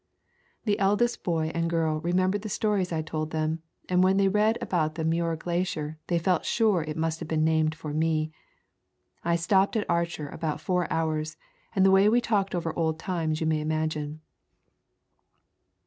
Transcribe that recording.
The eldest boy and girl re membered the stories I told them, and when they read about the Muir Glacier they felt sure it must have been named for me. I stopped at Archer about four hours, and the way we talked ? over old times you may imagine."